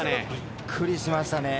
びっくりしましたね。